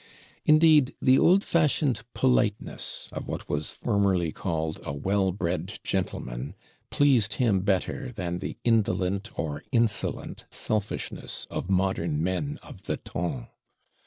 Indeed, the old fashioned politeness of what was formerly called a well bred gentleman pleased him better than the indolent or insolent selfishness of modern men of the ton.